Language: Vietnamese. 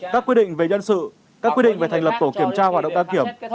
các quy định về nhân sự các quy định về thành lập tổ kiểm tra hoạt động đăng kiểm